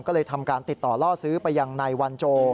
ก็เลยทำการติดต่อล่อซื้อไปยังนายวันโจ